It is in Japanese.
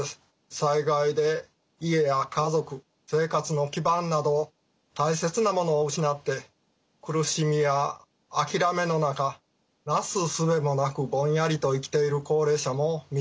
災害で家や家族生活の基盤など大切なものを失って苦しみや諦めの中なすすべもなくぼんやりと生きている高齢者も見てまいりました。